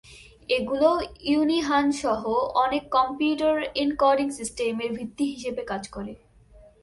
এগুলো ইউনিহানসহ অনেক computer encoding সিস্টেমের ভিত্তি হিসেবে কাজ করে।